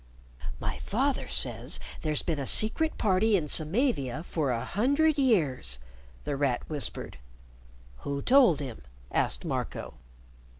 "My father says there's been a Secret Party in Samavia for a hundred years," The Rat whispered. "Who told him?" asked Marco.